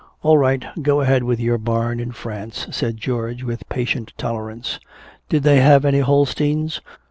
"All right, go ahead with your barn in France," said George with patient tolerance. "Did they have any Holsteins?"